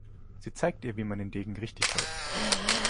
Sie zeigt ihr, wie man den Degen richtig hält.